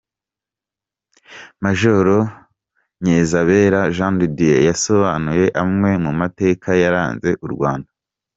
Major Nkezabera Jean de Dieu yasobanuye amwe mu mateka yaranze u Rwanda.